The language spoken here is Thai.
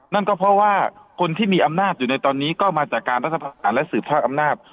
นั่นก็เพราะว่าคนที่มีอำนาจอยู่ในตอนนี้ก็มาจากการรัฐประหารและสืบภาคอำนาจ